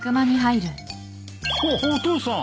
おっお父さん。